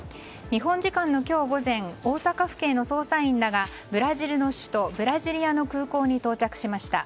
日本時間の今日午前大阪府警の捜査員らがブラジルの首都ブラジリアの空港に到着しました。